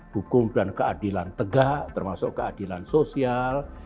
hukum dan keadilan tegak termasuk keadilan sosial